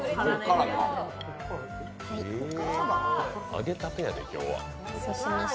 揚げたてやで、今日は。